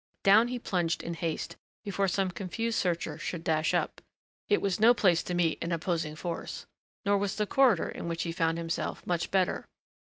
Down he plunged in haste, before some confused searcher should dash up. It was no place to meet an opposing force. Nor was the corridor in which he found himself much better.